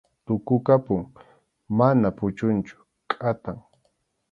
Tukukapun, mana puchunchu, kʼatam.